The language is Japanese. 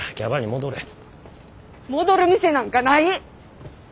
戻る店なんかない！